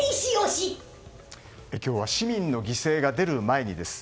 今日は市民の犠牲が出る前にです。